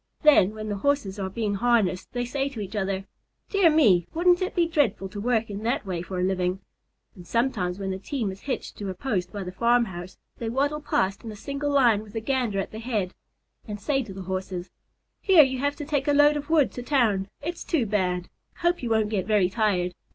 Then, when the Horses are being harnessed, they say to each other, "Dear me! Wouldn't it be dreadful to work in that way for a living?" And sometimes, when the team is hitched to a post by the farmhouse, they waddle past in a single line with the Gander at the head, and say to the Horses: "Hear you have to take a load of wood to town. It's too bad. Hope you won't get very tired.